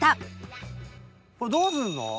これどうするの？